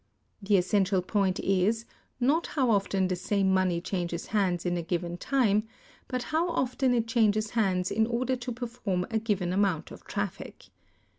The essential point is, not how often the same money changes hands in a given time, but how often it changes hands in order to perform a given amount of traffic.